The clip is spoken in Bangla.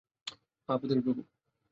হ্যাঁ, ভেতরে ঢোকো।